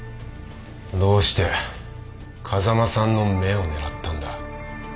どうして風間さんの目を狙ったんだ？